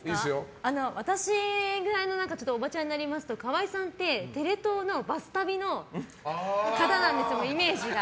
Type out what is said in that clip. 私くらいのおばちゃんになりますと河合さんってテレ東のバス旅の方なんですよ。